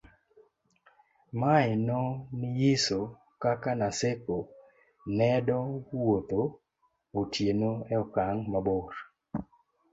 mae no niyiso kaka Naseko nedo wuotho otieno e okang' mabor